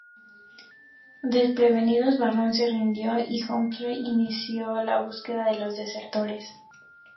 Desprevenidos, Barron se rindió y Humphreys inició la búsqueda de los desertores.